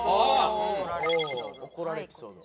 怒られエピソード。